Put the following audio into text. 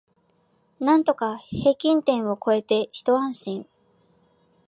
なんとか平均点を超えてひと安心